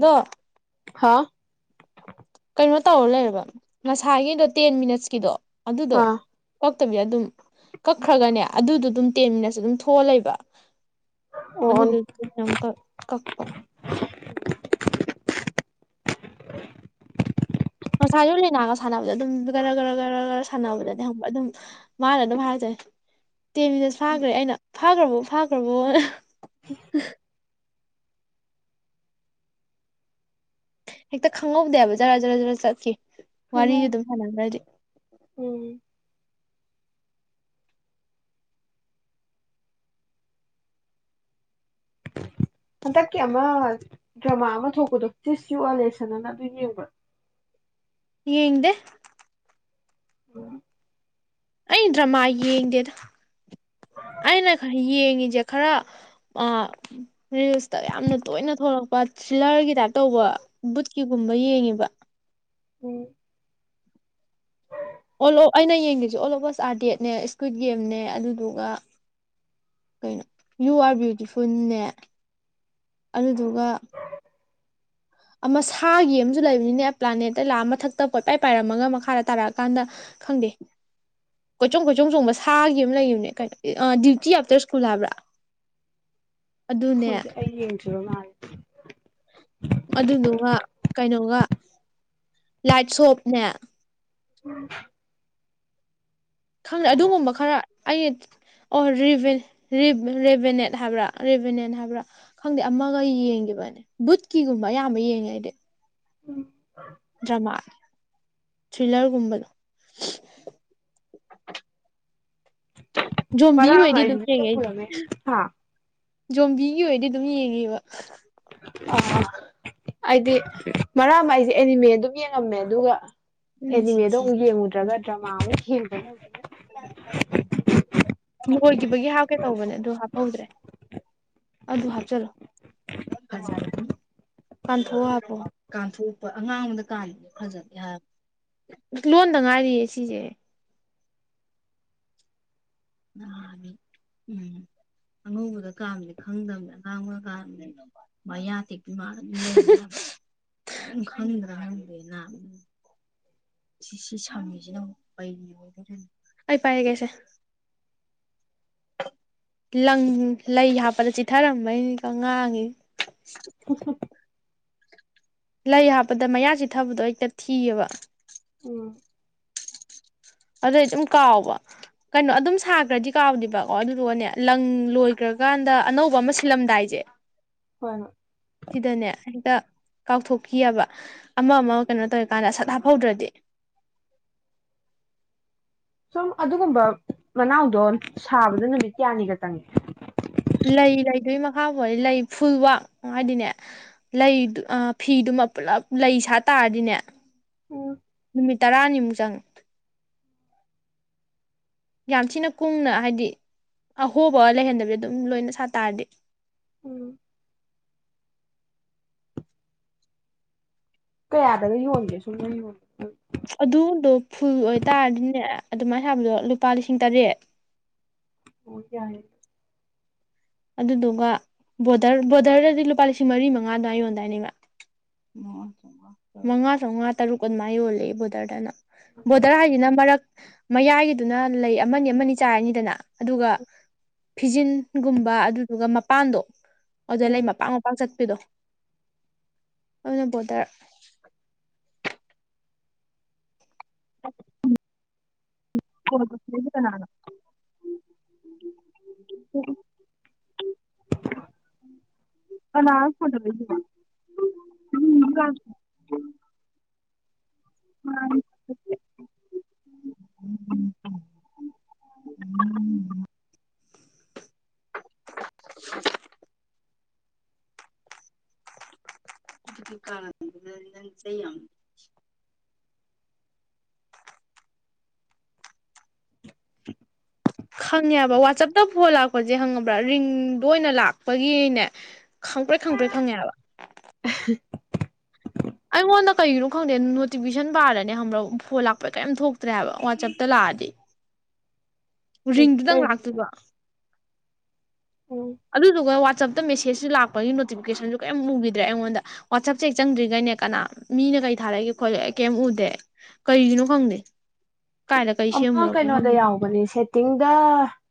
ꯗꯥ ꯍꯥ ꯀꯩꯅꯣ ꯇꯧꯔ ꯂꯩꯔꯕ ꯉꯁꯥꯢꯒꯤꯗꯣ ꯇꯦꯟ ꯃꯤꯅꯠꯁꯀꯤꯗꯣ ꯑꯗꯨꯗꯣ ꯑꯣ ꯑꯥ ꯇꯠꯇꯕꯤ ꯑꯗꯨꯝ ꯀꯛꯈ꯭ꯔꯒꯅꯦ ꯑꯗꯨꯗꯣ ꯑꯗꯨꯝ ꯇꯦꯟ ꯃꯤꯅꯠꯁ ꯑꯗꯨꯝ ꯊꯣꯛꯑ ꯂꯩꯕ ꯑꯣ ꯑꯣꯟ ꯑꯗꯨꯗꯣ ꯑꯥ ꯑꯃꯨꯀ ꯀꯛꯄꯥ ꯉꯁꯥꯏꯁꯨ ꯂꯥꯏꯅꯥꯒ ꯁꯥꯟꯅꯕꯗ ꯑꯗꯨꯝ ꯒꯔ ꯒꯔ ꯒꯔ ꯒꯔ ꯁꯥꯟꯅꯕꯗꯅꯦ ꯈꯪꯕ꯭ꯔ ꯑꯗꯨꯝ ꯃꯥꯅ ꯑꯗꯨꯝ ꯍꯥꯏꯔꯛꯆꯩ ꯇꯦꯟ ꯃꯤꯅꯠꯁ ꯐꯥꯈ꯭ꯔꯦ ꯑꯩꯅ ꯐꯥꯒ꯭ꯔꯕꯣ ꯐꯥꯒ꯭ꯔꯕꯣ ꯍꯦꯛꯇ ꯈꯪꯍꯧꯗꯦꯕ ꯖꯔꯥ ꯖꯔꯥ ꯖꯔ ꯆꯠꯈꯤ ꯍꯩꯅꯧ ꯋꯥꯔꯤꯒꯤ ꯑꯗꯨꯝ ꯁꯅꯒ꯭ꯔꯗꯤ ꯎꯝ ꯍꯟꯗꯛꯀꯤ ꯑꯃ ꯗ꯭ꯔꯃꯥ ꯑꯃ ꯊꯣꯛꯄꯗꯣ ꯇꯤꯁ ꯌꯨ ꯑꯦ ꯂꯦꯁꯟ ꯑꯅ ꯑꯗꯨ ꯌꯦꯡꯕ꯭ꯔꯥ ꯌꯦꯡꯗꯦ [unintelligible] ꯑꯩ ꯗ꯭ꯔꯃꯥ ꯌꯦꯡꯗꯦꯗ ꯑꯩꯅ ꯈꯔ ꯌꯦꯡ ꯁꯦ ꯈꯔ ꯔꯤꯜꯁꯇ ꯌꯥꯝꯅ ꯇꯣꯏꯅ ꯊꯣꯛꯂꯛꯄ ꯊ꯭ꯔꯤꯂꯔꯒꯤ ꯇꯥꯏꯞ ꯇꯧꯕ ꯕꯨꯠꯀꯤꯒꯨꯝꯕ ꯌꯦꯡꯉꯤꯕ ꯎꯝ ꯑꯂꯣ ꯑꯩꯅ ꯌꯦꯡꯕꯁꯨ ꯑꯣꯜ ꯑꯣꯐꯁ ꯑꯥꯔꯗꯦꯠꯅꯦ ꯁꯀꯨꯠ ꯒꯦꯝꯅꯦ ꯑꯗꯨꯗꯨꯒ ꯀꯩꯅꯣ ꯌꯨ ꯑꯥꯔ ꯕ꯭ꯤꯌꯨꯇꯤꯐꯨꯜꯅꯦ ꯑꯗꯨꯗꯨꯒ ꯑꯃ ꯁꯥꯒꯤ ꯑꯃꯁꯨ ꯂꯩꯕꯅꯤꯅꯦ ꯄ꯭ꯂꯥꯅꯦꯠꯇꯩ ꯂꯥꯛꯑ ꯃꯊꯛ ꯇ ꯀꯣꯢꯄꯥꯢ ꯄꯥꯢꯔꯝꯃꯒ ꯃꯈꯥꯗ ꯇꯥꯔꯛ ꯀꯥꯟꯗ ꯈꯪꯗꯦ ꯀꯣꯏꯆꯣꯡ ꯀꯣꯏꯆꯣꯡ ꯆꯣꯡꯕ ꯁꯥꯒꯤ ꯑꯃ ꯂꯩꯕꯅꯦ ꯀꯩꯅꯣ ꯗ꯭ꯌꯨꯇꯤ ꯑꯥꯞꯇꯔ ꯁ꯭ꯀꯨꯜ ꯍꯥꯏꯕ꯭ꯔꯥ ꯑꯗꯨꯅꯦ ꯈꯪꯗ꯭ꯔꯦ ꯑꯩ ꯌꯦꯡꯗ꯭ꯔꯤꯕ ꯃꯥꯂꯦ ꯑꯗꯨꯗꯨꯒ ꯀꯩꯅꯣꯒ ꯂꯥꯏꯠ ꯁꯣꯞꯅꯦ ꯎꯝ ꯈꯪꯗꯦ ꯑꯗꯨꯒꯨꯝꯕ ꯈꯔ ꯑꯩ ꯑꯣ ꯔꯦꯚꯦꯅꯦꯠ ꯍꯥꯏꯕ꯭ꯔꯥ ꯔꯦꯚꯦꯅꯦꯠ ꯍꯥꯏꯕ꯭ꯔꯥ ꯈꯪꯗꯦ ꯑꯃꯒ ꯌꯦꯡꯈꯤꯕꯅꯦ ꯕꯨꯠꯀꯤꯒꯨꯝꯕ ꯑꯌꯥꯝꯕ ꯌꯦꯡꯉꯦ ꯑꯩꯗꯤ ꯗ꯭ꯔꯥꯃꯥ ꯊ꯭ꯔꯤꯂꯔꯒꯨꯝꯕꯗꯣ ꯖꯣꯝꯕꯤ ꯕꯥꯔꯥ ꯑꯣꯏꯗꯤ ꯑꯗꯨꯝ ꯃꯥꯢꯖꯤꯅꯦ ꯌꯦꯡꯉꯦ ꯑꯩ ꯄꯨꯔꯝꯃꯦ ꯍꯥ ꯖꯣꯝꯕꯤꯒꯤ ꯑꯣꯏꯗꯤ ꯑꯗꯨꯝ ꯌꯦꯡꯉꯦꯕ ꯍꯥ ꯑ ꯑ ꯑꯩꯗꯤ ꯃꯔꯛ ꯑꯃ ꯑꯩꯁꯦ ꯑꯦꯅꯤꯃꯦ ꯑꯗꯨꯝ ꯌꯦꯡꯉꯝꯃꯦ ꯑꯗꯨꯒ ꯑꯦꯅꯤꯃꯦꯗꯣ ꯑꯃꯨꯛ ꯌꯦꯡꯉꯨꯗ꯭ꯔꯒ ꯗ꯭ꯔꯃꯥ ꯑꯃꯨ [unintelligible] [unintelligible] ꯂꯣꯏꯈꯤꯕꯒꯤ ꯍꯥꯞꯀꯦ ꯇꯧꯕꯅꯦ ꯑꯗꯨ ꯍꯥꯞꯍꯧꯗ꯭ꯔꯦ ꯑꯗꯨ ꯍꯥꯞꯆꯜꯂꯣ ꯀꯥꯟꯊꯣꯛꯑ ꯍꯥꯞꯄꯣ ꯀꯥꯟꯊꯣꯛꯄ ꯑꯉꯥꯡꯕꯗ ꯀꯥꯟꯕꯗꯤ ꯐꯖꯗꯦ ꯍꯥꯏꯕꯅꯦ ꯂꯣꯟꯗ ꯉꯥꯏꯔꯤꯌꯦ ꯁꯤꯁꯦ ꯅꯥꯅꯤ ꯎꯝ ꯑꯉꯧꯕꯗ ꯀꯥꯟꯕꯗꯤ ꯈꯪꯗꯕꯅꯦ ꯑꯉꯥꯡꯕꯗ ꯀꯥꯟꯕꯗꯤ ꯃꯌꯥ ꯇꯦꯛꯄꯤ ꯃꯥꯜꯂꯅꯤ ꯍꯨꯍꯨꯝ ꯀꯦꯝ ꯈꯪꯗ꯭ꯔꯥ ꯍꯥꯢꯕꯅꯤꯗ ꯅꯥꯕ ꯁꯤ ꯁꯤ ꯁꯝꯃꯤꯁꯤꯅ ꯀꯩꯒꯤ ꯑꯣꯏꯗꯣꯏꯅꯣ ꯁꯦ ꯂꯪ ꯂꯩꯄꯥꯏꯔꯒꯦꯁꯦ ꯂꯪ ꯂꯩ ꯍꯥꯞꯄꯗ ꯆꯤꯊꯔꯝꯝꯕꯩꯅꯤꯀꯣ ꯉꯥꯡꯉꯤ ꯂꯩ ꯍꯥꯞꯄꯗ ꯃꯌꯥ ꯆꯤꯊꯕꯗꯣ ꯍꯦꯛꯇ ꯊꯤꯌꯦꯕ ꯎꯝ ꯑꯗꯨꯏ ꯑꯗꯨꯝ ꯀꯥꯎꯕ ꯀꯩꯅꯣ ꯑꯗꯨꯝ ꯁꯥꯈ꯭ꯔꯗꯤ ꯀꯥꯎꯗꯦꯕꯀꯣ ꯑꯗꯨꯗꯨꯒꯅꯦ ꯂꯪ ꯂꯣꯏꯈ꯭ꯔꯀꯥꯟꯗ ꯑꯅꯧꯕ ꯑꯃ ꯁꯤꯜꯂꯝꯗꯥꯏꯁꯦ ꯍꯣꯏ ꯍꯣꯏ ꯁꯤꯗꯅꯦ ꯍꯦꯛꯇ ꯀꯥꯎꯊꯣꯛꯈꯤꯑꯦꯕ ꯑꯃ ꯑꯃ ꯀꯩꯅꯣ ꯇꯧꯋꯤꯀꯥꯟꯗ ꯁꯠ ꯍꯥꯞꯐꯧꯗ꯭ꯔꯗꯤ ꯁꯨꯝ ꯑꯗꯨꯒꯨꯝꯕ ꯃꯅꯥꯎꯗꯣ ꯁꯥꯕꯗ ꯅꯨꯃꯤꯠ ꯀꯌꯥꯅꯤꯒ ꯆꯪꯉꯏ ꯂꯩ ꯂꯩꯗꯨꯏꯒꯤ ꯃꯈꯥ ꯄꯣꯜꯂꯦ ꯂꯩ ꯐꯨꯜꯋꯥꯛ ꯍꯥꯏꯗꯤꯅꯦ ꯂꯩ ꯑꯥ ꯐꯤꯗꯨꯃ ꯄꯨꯜꯂꯞ ꯂꯩ ꯁꯥꯠ ꯇꯥꯔꯗꯤꯅꯦ ꯎꯝ ꯅꯨꯃꯤꯠ ꯇꯔꯥꯅꯤꯃꯨꯛ ꯆꯪꯑꯦ ꯌꯥꯝ ꯊꯤꯅ ꯀꯨꯡꯅ ꯍꯥꯏꯗꯤ ꯑꯍꯣꯕ ꯂꯩꯍꯟꯗꯕꯤꯗ ꯑꯗꯨꯝ ꯂꯣꯏꯅ ꯁꯥꯠꯇꯥꯔꯗꯤ ꯎꯝ ꯀꯌꯥꯗꯒ ꯌꯣꯟꯒꯦ ꯁꯨꯝꯅ ꯌꯣꯟ ꯑ ꯑꯗꯨꯗꯣ ꯐꯨꯜ ꯑꯣꯏꯇꯥꯔꯗꯤꯅꯦ ꯑꯗꯨꯃꯥꯏ ꯁꯥꯕꯗꯣ ꯂꯨꯄꯥ ꯂꯤꯁꯤꯡ ꯇꯔꯦꯠ ꯑꯣ ꯌꯥꯏꯑ ꯑꯗꯨꯗꯨꯒ ꯕꯣꯗꯔ ꯕꯣꯔꯗꯔꯗꯗꯤ ꯂꯨꯄꯥ ꯂꯤꯁꯤꯡ ꯃꯔꯤ ꯃꯉꯥ ꯑꯗꯨꯃꯥꯏ ꯌꯣꯟꯗꯥꯏꯅꯦ ꯏꯃꯥ ꯃꯉꯥ ꯆꯧꯉꯥ ꯇꯔꯨꯛ ꯑꯗꯨꯃꯥꯏꯅ ꯌꯣꯜꯂꯦꯌꯦ ꯕꯣꯗꯔꯗꯅ ꯕꯣꯗꯔ ꯍꯥꯏꯖꯤꯅ ꯃꯔꯛ ꯃꯌꯥꯏꯒꯤꯗꯨꯅ ꯂꯩ ꯑꯃꯅꯤ ꯑꯃꯅꯤ ꯆꯥꯔꯅꯤꯗꯅ ꯑꯗꯨꯒ ꯐꯤꯖꯤꯟꯒꯨꯝ ꯕ ꯑꯗꯨꯗꯨꯒ ꯃꯄꯥꯟꯗꯣ ꯑꯗꯨꯗ ꯎꯝ ꯂꯩ ꯃꯄꯥꯛ ꯃꯄꯥꯛ ꯆꯠ ꯄꯤꯗꯣ ꯑꯗꯨꯅ ꯕꯣꯗꯔ ꯀꯣꯜ ꯇꯧꯁꯜꯂꯛꯢꯁꯦ ꯀꯅꯥꯅꯣ ꯀꯅꯥꯅꯣ ꯐꯣꯟ ꯇꯧꯔꯛꯏꯁꯤꯕꯣ [unintelligible] ꯑꯗꯨ ꯀꯥꯗꯨꯗ ꯅꯪ ꯆꯩ ꯌꯥꯝ ꯁꯦ ꯈꯪꯉꯦꯕ ꯋꯥꯆꯞꯇ ꯐꯣꯟ ꯂꯥꯛꯄꯁꯦ ꯈꯪꯉꯕ꯭ꯔꯥ ꯔꯤꯡꯗꯣ ꯑꯣꯏꯅ ꯂꯥꯛꯄꯒꯤꯅꯦ ꯈꯪꯄ꯭ꯔꯦꯛ ꯈꯪꯄ꯭ꯔꯦꯛ ꯈꯪꯉꯦꯕ [inaudible] ꯐꯣꯟꯗ ꯀꯩꯒꯤꯅꯣ ꯈꯪꯗꯦ ꯅꯣꯤꯐꯤꯀꯦꯁꯟ ꯕꯥꯔꯗꯅꯦ ꯈꯪꯕ꯭ꯔ ꯐꯣꯟ ꯂꯥꯛꯄꯗ ꯀꯔꯤꯝ ꯊꯣꯛꯇ꯭ꯔꯦ ꯍꯥꯏꯕ ꯋꯥꯆꯦꯞꯇ ꯂꯥꯛꯑꯗꯤ ꯎꯝ, ꯔꯤꯡꯗꯨꯗꯪ ꯀꯩꯅꯣ ꯂꯥꯛꯇꯣꯏꯕ ꯎꯝ ꯑꯗꯨꯗꯨꯒ ꯋꯥꯆꯞ ꯃꯦꯁꯦꯖꯁꯨ ꯂꯥꯛꯄꯒꯤ ꯅꯣꯇꯤꯐꯤꯀꯦꯁꯟꯁꯨ ꯀꯔꯤꯝ ꯎꯈꯤꯗ꯭ꯔꯦ ꯑꯩꯉꯣꯟꯗ ꯋꯥꯆꯞꯁꯦ ꯍꯦꯛ ꯆꯪꯗ꯭ꯔꯤꯒꯩꯅꯦ ꯀꯅꯥ ꯃꯤꯅ ꯀꯩ ꯊꯥꯔꯛꯢꯒꯦ ꯈꯣꯠꯂꯤꯒꯦ ꯑꯩ ꯀꯩꯝ ꯎꯗꯦ ꯀꯩꯒꯤꯅꯣ ꯈꯪꯗꯦ ꯀꯥꯏꯗ ꯀꯩ ꯑꯃ ꯁꯦꯝꯃꯨꯔꯕꯅꯣ ꯀꯩꯅꯣꯗ ꯈꯪꯗꯦ ꯌꯥꯎꯕꯅꯦ ꯁꯦ ꯇꯤꯡꯗ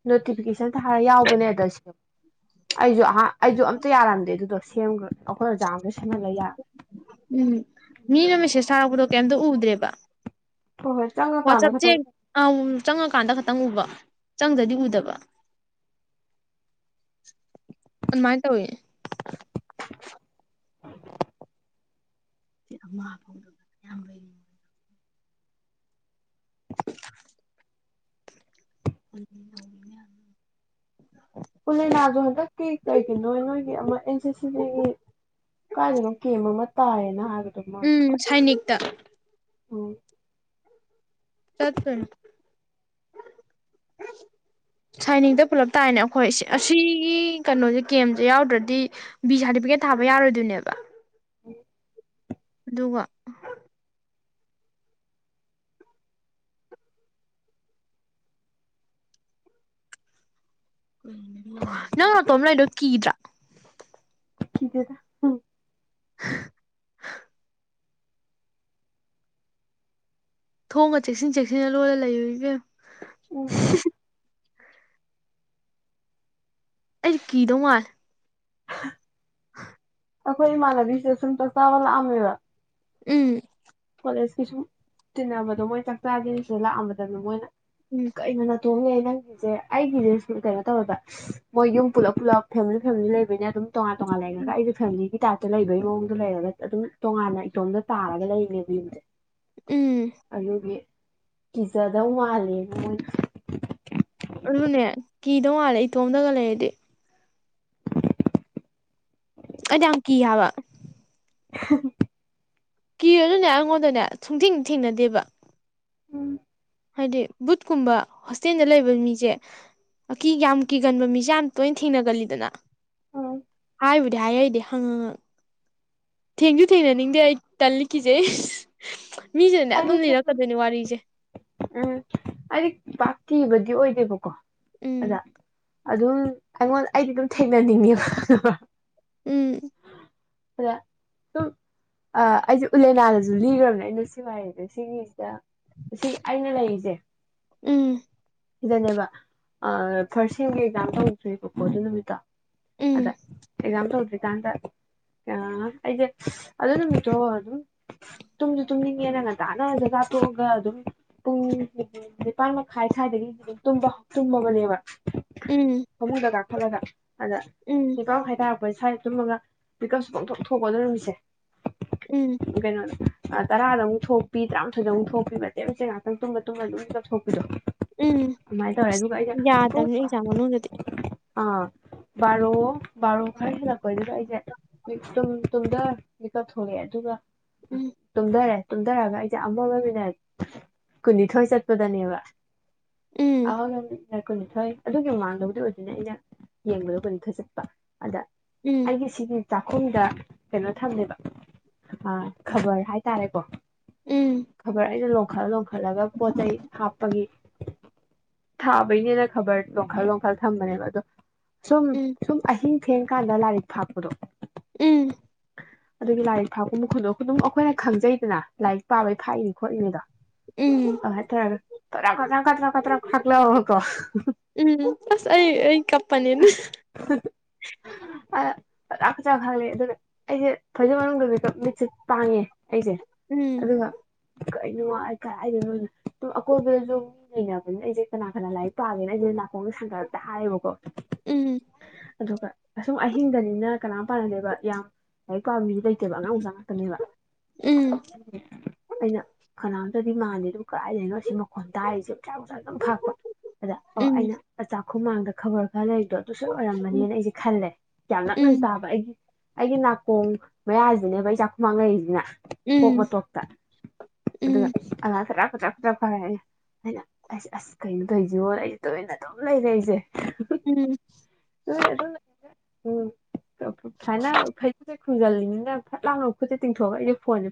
ꯅꯣꯇꯤꯐꯤꯀꯦꯁꯟ ꯊꯥ ꯑꯥ ꯌꯥꯎꯕꯅꯦ ꯑꯗ ꯁꯦꯝ ꯑꯩꯁꯨ ꯑꯍ ꯑꯩꯁꯨ ꯑꯝꯇ ꯌꯥꯔꯝꯗꯦ ꯑꯗꯨꯗꯣ ꯁꯦꯝꯈ꯭ꯔ ꯑꯩꯈꯣꯏ ꯑꯣꯖꯥ ꯑꯝꯗ ꯁꯦꯝꯍꯜꯂꯒ ꯌꯥꯒ꯭ꯔꯦ ꯎꯝ ꯃꯤꯅ ꯃꯦꯁꯦꯖ ꯊꯥꯔꯛꯄꯗꯣ ꯀꯩꯝꯇ ꯎꯗ꯭ꯔꯦꯕ ꯍꯣꯏ ꯍꯣꯏ ꯆꯪꯉꯀꯥꯟꯗ ꯋꯥꯆꯞ ꯆꯦ ꯈꯇꯪ ꯑ ꯆꯪꯉꯛ ꯀꯥꯟꯗ ꯈꯛꯇ ꯎꯕ ꯆꯪꯗ꯭ꯔꯗꯤ ꯎꯗꯕ ꯑꯗꯨꯃꯥꯏ ꯇꯧꯋꯦ [inaudible] [inaudible] ꯎꯂꯦꯅꯖꯨ ꯍꯟꯗꯛꯀꯤ ꯀꯩꯒꯤꯅꯣ ꯅꯣꯏꯒꯤ ꯑꯃ ꯑꯦꯟ ꯁꯤ ꯁꯤꯒꯤ ꯀꯥꯏꯗꯅꯣ ꯀꯦꯝ ꯑꯃ ꯇꯥꯏꯌꯦꯅ ꯍꯥꯢ ꯎꯝ ꯁꯥꯏꯅꯤꯛ ꯇ ꯑꯣ ꯆꯠꯇꯣꯏꯅꯦ ꯁꯥꯏꯅꯤꯡꯇ ꯄꯨꯂꯞ ꯇꯥꯏꯅꯦ ꯑꯩꯈꯣꯏ ꯑꯁꯤꯒꯤ ꯀꯩꯅꯣꯁꯦ ꯀꯦꯝꯁꯦ ꯌꯥꯎꯗ꯭ꯔꯥꯗꯤ ꯕꯤ ꯁꯥꯔꯇꯤꯐꯤꯀꯦꯠ ꯊꯥꯕ ꯌꯥꯔꯣꯏꯗꯣꯏꯅꯦꯕ ꯑꯣ ꯑꯗꯨꯒ ꯅꯪ ꯅꯇꯣꯝ ꯂꯩꯗꯣ ꯀꯤꯗ꯭ꯔꯥ ꯀꯤꯗꯦꯗ [inaudible] ꯊꯣꯡꯒ ꯆꯦꯛꯁꯤꯟ ꯆꯦꯛꯁꯤꯟꯅ ꯂꯣꯜꯂ ꯂꯩꯔꯨ ꯏꯕꯦꯝꯃ ꯎꯝ ꯑꯩꯗꯤ ꯀꯤꯗꯧ ꯃꯥꯜꯂꯦ [inaudible] ꯑꯩꯈꯣꯏ ꯏꯃꯥꯟꯅꯕꯤ ꯁꯤꯗ ꯁꯨꯝ ꯆꯥꯛ ꯆꯥꯕ ꯂꯥꯛꯑꯝꯃꯦꯕ ꯎꯝ ꯀꯣꯂꯦꯖꯀꯤ ꯁꯨꯝ ꯇꯤꯟꯅꯕꯗꯣ ꯃꯣꯏ ꯆꯥꯛꯆꯥꯖꯦꯁꯤꯗ ꯂꯥꯛꯑꯝꯕꯗ ꯃꯣꯏꯅ ꯎꯝ ꯀꯩꯅꯣ ꯅꯇꯣꯝ ꯇꯣꯝꯅꯦ ꯅꯪꯒꯤꯁꯦ ꯑꯩꯒꯤꯁꯦ ꯁ ꯀꯩꯅꯣ ꯇꯧꯋꯦꯕ ꯃꯣꯏ ꯌꯨꯝ ꯄꯨꯜꯂꯞ ꯄꯨꯜꯂꯞ ꯐꯦꯃꯤꯂꯤ ꯐꯦꯃꯤꯂꯤ ꯂꯩꯕꯩꯅꯦ ꯑꯗꯨꯝ ꯇꯣꯉꯥꯟ ꯇꯣꯉꯥꯟ ꯂꯩꯒꯔꯥꯒ ꯑꯩꯖꯦ ꯐꯦꯃꯤꯂꯤꯒꯤ ꯇꯥ ꯂꯩꯕꯒꯤ ꯃꯑꯣꯡꯗ ꯂꯩꯔꯒ ꯑꯗꯨꯝ ꯇꯣꯉꯥꯟꯅ ꯏꯇꯣꯝꯗ ꯇꯥꯔꯒ ꯂꯩꯅꯦ ꯎꯝ [inaudible] ꯑꯗꯨꯒꯤ ꯀꯤꯖꯗꯧ ꯃꯥꯜꯂꯦ ꯃꯣꯏꯅ ꯑꯗꯨꯅꯦ ꯀꯤꯗꯧ ꯃꯥꯜꯂꯦ ꯏꯇꯣꯝꯗꯒ ꯂꯩꯔꯗꯤ ꯑꯩꯗ ꯌꯥꯝ ꯀꯤ ꯍꯥꯕ [inaudible] ꯀꯤꯔꯖꯨ ꯑꯩꯉꯣꯟꯗꯅꯦ ꯁꯨꯡꯊꯦꯡꯗꯤ ꯊꯦꯡꯅꯗꯦꯕ ꯎꯝ ꯍꯥꯏꯗꯤ ꯕꯨꯠꯀꯨꯝꯕ ꯍꯣꯁꯇꯦꯜꯗ ꯂꯩꯕ ꯃꯤꯖꯦ ꯑꯀꯤ ꯌꯥꯝ ꯀꯤꯒꯟꯕ ꯃꯤꯖꯦ ꯌꯥꯝ ꯇꯣꯏꯅ ꯊꯦꯡꯅꯒꯜꯂꯤꯗꯅ ꯎꯝ ꯍꯥꯏꯕꯨꯗꯤ ꯍꯥꯏꯔꯩꯗꯦ ꯍꯡ ꯍꯡ ꯍꯡ ꯊꯦꯡꯁꯨꯨ ꯊꯦꯡꯅꯅꯤꯡꯗꯦ ꯑꯩ ꯇꯜꯂꯤ ꯀꯤꯖꯩ ꯃꯤꯁꯤꯅꯅꯦ ꯑꯗꯨꯝ ꯂꯤꯔꯛꯀꯗꯣꯏꯅꯦ ꯋꯥꯔꯤꯁꯦ ꯥ [unintelligible] ꯥꯄꯥꯛ ꯀꯤꯕꯗꯤ ꯑꯣꯏꯗꯦꯕꯀꯣ ꯑꯗꯥ ꯎꯝ ꯑꯗꯨꯝ ꯑꯩꯉꯣꯟꯗ ꯑꯩꯗꯤ ꯑꯗꯨꯝ ꯊꯦꯡꯅꯅꯤꯡꯉꯦꯕ ꯎꯝ ꯑꯗ ꯁꯨꯝ ꯑ ꯑꯩꯖꯦ ꯎꯂꯦꯅꯥꯗꯖꯨ ꯂꯤꯒ꯭ꯔꯕꯅꯦ ꯑꯩꯅꯖꯨ ꯁꯤꯒꯤ ꯋꯥꯔꯤꯖꯦ ꯁꯤꯒꯤꯁꯤꯗ ꯁꯤ ꯑꯩꯅ ꯂꯩꯔꯤꯖꯦ ꯎꯝ ꯁꯤꯗꯅꯦꯕ ꯑꯑ ꯐꯔꯁ ꯁꯦꯝꯒꯤ ꯑꯦꯛꯖꯥꯝ ꯇꯧꯒ꯭ꯔꯦꯕꯀꯣ ꯑꯗꯨ ꯅꯨꯃꯤꯠꯇꯣ ꯑꯗ ꯎꯝ ꯑꯦꯛꯖꯥꯝ ꯇꯧꯗ꯭ꯔꯤ ꯀꯥꯟꯗ ꯑ ꯑꯩꯖꯦ ꯑꯗꯨ ꯅꯨꯃꯤꯠꯇꯣ ꯑꯗꯨꯝ ꯇꯨꯝꯖꯨ ꯇꯨꯝꯅꯤꯡ ꯉꯦꯅ ꯉꯟꯇꯥꯅ ꯆꯛꯆꯥ ꯇꯣꯛꯑꯒ ꯑꯗꯨꯝ ꯄꯨꯡ ꯅꯤꯄꯥꯥꯟ ꯃꯈꯥꯏ ꯁꯥꯏꯗꯒꯤ ꯑꯗꯨꯝ ꯇꯨꯝꯕ ꯇꯨꯝꯃꯕꯅꯦꯕ ꯎꯝ ꯐꯃꯨꯡꯗ ꯀꯥ ꯈꯠꯂꯒ ꯑꯗ ꯎꯝ ꯅꯤꯄꯥꯟ ꯃꯈꯥꯏ ꯇꯥꯔꯛ ꯄ ꯁꯥꯏꯗ ꯇꯨꯝꯃꯒ ꯃꯤꯀꯞꯁꯨ ꯄꯧꯊꯣꯛ ꯊꯣꯛꯄ ꯑꯗꯨ ꯅꯨꯃꯤꯠꯁꯦ ꯎꯝ ꯀꯩꯅꯣ ꯑꯗ ꯇꯔꯥꯗ ꯑꯃꯨꯛ ꯊꯣꯛꯄꯤ ꯇꯔꯥꯃꯥꯊꯣꯏꯗ ꯑꯃꯨꯛ ꯊꯣꯛꯄꯤ ꯃꯇꯦꯛ ꯃꯆꯦꯠ ꯉꯥꯏꯍꯥꯛꯇꯪ ꯇꯨꯝꯕ ꯇꯨꯝꯃ ꯃꯤꯀꯞ ꯊꯣꯛꯄꯤꯗꯣ ꯎꯝ ꯑꯗꯨꯃꯥꯏꯅ ꯇꯧꯔꯦ ꯑꯁ ꯑꯗꯨꯒ ꯑꯩꯁꯦ ꯄꯨꯡ ꯌꯥꯗꯕꯅꯤ ꯑꯦꯛꯖꯥꯝ ꯃꯅꯨꯡꯗꯗꯤ ꯑꯥ ꯕꯥꯔꯣ ꯕꯥꯔꯣ ꯈꯔ ꯍꯜꯂꯛꯄꯩꯗꯨꯗ ꯑꯩꯖꯦ ꯇꯪꯝ ꯇꯨꯝꯗ ꯃꯤꯀꯞ ꯊꯣꯛꯂꯛꯑꯦ ꯑꯗꯨꯒ ꯎꯝ ꯇꯨꯝꯗꯔꯦ ꯇꯨꯝꯗꯔꯒ ꯑꯩꯖꯦ ꯑꯃꯒ ꯃꯤꯅꯠ ꯀꯨꯟꯅꯤꯊꯣꯏ ꯆꯠꯄꯗꯅꯦꯕ ꯎꯝ ꯑꯃꯒ ꯃꯤꯅꯠ [unintelligible] ꯀꯨꯟꯅꯤꯊꯣꯏ ꯑꯗꯨꯒꯤ ꯃꯃꯥꯡꯗꯕꯨꯗꯤ ꯑꯣꯏꯗꯣꯏꯅ ꯑꯩꯅ ꯌꯦꯡꯕꯒ ꯀꯨꯟꯅꯤꯊꯣꯏ ꯆꯠꯄ ꯑꯗ ꯎꯝ ꯑꯩꯒꯤ ꯁꯤꯒꯤ ꯆꯥꯛꯈꯨꯝꯗ ꯀꯩꯅꯣ ꯊꯝꯃꯦꯕ ꯑꯥ ꯈꯕꯔ ꯍꯥꯏ ꯇꯥꯔꯦꯀꯣ ꯎꯝ ꯈꯕꯔ ꯑꯩꯅ ꯂꯣ ꯂꯣꯡꯈꯠ ꯂꯣꯡꯈꯠꯂꯒ ꯄꯣꯠ ꯆꯩꯩ ꯍꯥꯞꯄꯒꯤ ꯊꯥꯕꯩꯅꯦꯅ ꯈꯕꯔ ꯂꯣꯡꯈꯠ ꯂꯣꯡꯈꯠꯂ ꯊꯝꯕꯅꯦꯕ ꯑꯗꯣ ꯁꯨꯝ ꯎꯝ ꯁꯨꯝ ꯑꯍꯤꯡ ꯊꯦꯡꯀꯥꯟꯗ ꯂꯥꯏꯔꯤꯛ ꯐꯥꯛꯄꯗꯣ ꯎꯝ ꯑꯗꯨꯒꯤ ꯂꯥꯏꯔꯤꯛ ꯐꯥꯛꯄ ꯃꯈꯣꯟꯗꯣ ꯑꯗꯨꯝ ꯑꯩꯈꯣꯏꯅ ꯈꯪꯖꯩꯗꯅ ꯂꯥꯏꯔꯤꯛ ꯄꯥꯕꯩ ꯐꯥꯛꯏꯅꯤ ꯈꯣꯠꯂꯤꯅꯦꯗꯣ ꯎꯝ ꯑ ꯍꯥꯏ ꯇꯧꯔ ꯀꯇ꯭ꯔꯥꯛ ꯀꯗ꯭ꯔꯥꯛ ꯗ꯭ꯔꯥꯛꯀ ꯀꯇ꯭ꯔꯥꯛ ꯐꯥꯛꯂꯛꯑꯕ ꯀꯣ ꯎꯝ ꯑꯁ ꯑꯩ [unintelligible] ꯑ ꯐꯗꯥꯛ ꯐꯗꯥꯛ ꯈꯥꯛꯂꯛꯑꯦ ꯑꯗꯨꯅ ꯑꯩꯖꯦ ꯐꯩꯖꯨꯞ ꯃꯅꯨꯡꯗ ꯗꯨꯒ ꯃꯤꯠꯁꯦ ꯄꯥꯡꯉꯦ ꯑꯩꯖꯦ ꯎꯝ ꯑꯗꯨꯒ ꯀꯩꯅꯣ ꯑꯩ ꯀꯗꯥꯥꯏꯗꯅꯣꯖꯦ ꯑꯗꯨꯝ ꯑꯀꯣꯏꯕꯗꯖꯨ ꯃꯤ ꯂꯩꯅꯕꯅꯤꯅ ꯑꯩꯖꯦ ꯀꯅꯥ ꯀꯅꯥ ꯂꯥꯏꯔꯤꯛ ꯄꯥꯒꯦꯅ ꯑꯩꯖꯦ ꯅꯥꯀꯣꯡꯗ ꯊꯥꯡꯒꯠꯂ ꯇꯥꯔꯦꯕꯀꯣ ꯎꯝ ꯑꯗꯨꯒ ꯑꯁꯨꯝ ꯑꯍꯤꯡꯗꯅꯤꯅ ꯀꯅꯥꯝ ꯄꯥꯅꯗꯦꯕ ꯌꯥꯝ ꯂꯥꯏꯔꯤꯛ ꯄꯥꯕ ꯃꯤꯁꯨ ꯂꯩꯇꯦꯕ ꯑꯉꯥꯡ ꯃꯆꯥ ꯇ ꯅꯦꯕ ꯎꯝ ꯑꯩꯅ ꯐꯅꯥ [unintelligible] ꯀꯥꯏꯗꯥꯏꯗꯩꯅꯣ ꯁꯤ ꯃꯈꯣꯟ ꯇꯥꯔꯤꯁꯦ ꯆꯥꯎ ꯆꯥꯎ ꯑꯗꯨꯝ ꯊꯥꯔꯛꯄ ꯑꯗ ꯑꯣ ꯎꯝ ꯑꯩꯅ ꯑꯆꯥ ꯈꯨꯃꯥꯡꯗ ꯈꯕꯔ [unintelligible] ꯑꯗꯣ ꯑꯗꯨꯨꯁꯣꯏ ꯎꯝ ꯑꯣꯏꯔꯝꯃꯅꯤꯅ ꯑꯩꯖꯦ ꯈꯜꯂꯦ ꯌꯥꯝ ꯅꯛꯅꯁꯨ ꯇꯥꯕ ꯑꯩꯒꯤ ꯑꯩꯒꯤ ꯅꯥꯀꯣꯡ ꯃꯌꯥꯁꯤꯅꯦꯕ ꯑꯩ ꯆꯥꯛ ꯈꯨꯃꯥꯡ ꯂꯩꯔꯤꯖꯤꯅ [unintelligible] ꯎꯝ ꯎꯝ [unintelligible] ꯑꯩꯅ ꯑꯩꯁ ꯑꯁ ꯀꯩꯅꯣ ꯇꯧꯖꯤꯕꯣ ꯑꯩꯖꯦ ꯇꯨꯃꯤꯟꯅ ꯗꯨꯝ ꯂꯩꯔꯦ ꯑꯩꯖꯦ [unintelligible] ꯎꯝ ꯑꯝ ꯁ꯭ꯋꯥꯏꯅ ꯐꯩꯖꯨꯞꯁꯦ ꯈꯨꯝꯖꯜꯂꯤꯅꯤꯅ ꯐꯠ ꯂꯥꯎꯅ ꯈꯨꯠꯁꯦ ꯇꯤꯡꯊꯣꯛꯑꯒ ꯑꯩꯖꯦ ꯐꯣꯟꯖꯦ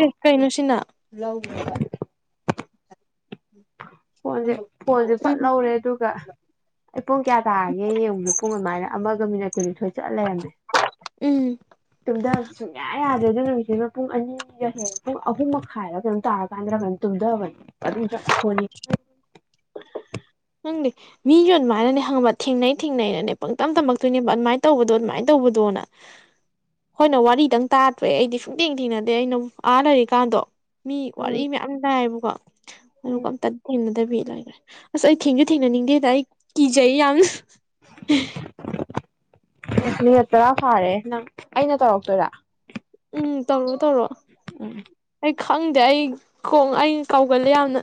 ꯑꯦ ꯀꯩꯅꯣꯁꯤꯅ ꯐꯣꯟꯁꯦ ꯐꯣꯟꯁꯦ ꯐꯠ ꯎꯝ ꯂꯧꯔꯦ ꯑꯗꯨꯒ ꯑꯩ ꯄꯨꯡ ꯀꯌꯥ ꯇꯥꯔꯒꯦ ꯌꯦꯡꯕꯖꯦ ꯄꯨꯡ ꯑꯗꯨꯃꯥꯏꯅ ꯑꯃꯒ ꯃꯤꯅꯠ ꯀꯨꯟꯅꯤꯊꯣꯏ ꯆꯠꯂ ꯂꯩꯔꯝꯃꯦ ꯎꯝ ꯇꯨꯝꯗꯕ ꯁꯨꯡꯌꯥ ꯑꯌꯥ ꯌꯥꯗ꯭ꯔꯦꯗ ꯅꯨꯃꯤꯠꯇꯨꯗ ꯄꯨꯡ ꯑꯅꯤꯒ ꯍꯦꯟ ꯄꯨꯡ ꯑꯍꯨꯝ ꯃꯈꯥꯏꯗ ꯀꯩꯅꯣꯝ ꯇꯥꯔꯀꯥꯟꯗꯔꯥ ꯀꯩꯅꯣꯝ ꯇꯨꯝꯗꯕꯅꯦ ꯑꯗꯨꯝꯗ ꯐꯣꯟ ꯌꯦꯡ ꯈꯪꯗꯦ ꯃꯤꯒ ꯑꯗꯨꯃꯥꯏꯅꯅꯦ ꯈꯪꯉꯕ ꯊꯦꯡꯅꯩ ꯊꯦꯡꯅꯩꯅꯅꯦ ꯄꯪꯇꯝ ꯇꯝꯃꯛꯇꯣꯏꯅꯦꯕ ꯑꯗꯨꯃꯥꯏ ꯇꯧꯕꯗꯣ ꯑꯗꯨꯃꯥꯏ ꯇꯧꯕꯗꯣꯅ ꯈꯣꯏꯅ ꯋꯥꯔꯤꯗꯪ ꯇꯥꯗ꯭ꯔꯦ ꯑꯩꯗꯤ ꯁꯨꯡꯊꯦꯡ ꯊꯦꯡꯅꯗꯦ ꯑꯩꯅ ꯑꯥ ꯂꯩꯔꯤꯀꯥꯟꯗꯣ ꯃꯤ ꯋꯥꯔꯤ ꯎꯝ ꯃꯌꯥꯝ ꯇꯥꯏꯌꯦꯕꯀꯣ ꯎꯝ ꯑꯗꯨꯒ ꯑꯝꯇ ꯊꯦꯡꯅꯗꯕꯤ ꯂꯥꯛ [inaudible] ꯑꯁ ꯑꯩ ꯊꯦꯡꯁꯨ ꯊꯦꯡꯅꯅꯤꯡꯗꯦꯗ ꯑꯩ ꯀꯤꯖꯩ ꯌꯥꯝꯅ ꯎꯝ ꯃꯤꯅꯠ ꯇꯔꯥ ꯐꯥꯔꯦ ꯅꯪ ꯑꯩꯅ ꯇꯧꯔꯛꯇꯣꯏꯔꯥ ꯎꯝ ꯇꯧꯔꯣ ꯇꯧꯔꯣ ꯑꯩ ꯈꯪꯗꯦ ꯑꯩ ꯈꯣꯡ ꯑꯩ ꯀꯥꯎꯒꯜꯂꯦ ꯌꯥꯝꯅ